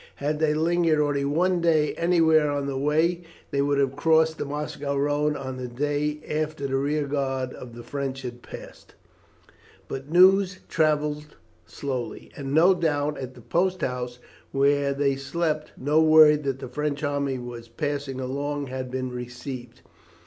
Had they lingered only one day anywhere on the way they would have crossed the Moscow road on the day after the rear guard of the French had passed. "But news travelled slowly, and no doubt, at the post house where they slept, no word that the French army was passing along had been received.